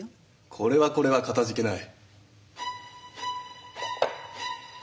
これはこれはかたじけない。